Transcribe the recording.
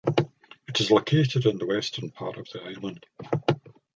It is located on the western part of the Island.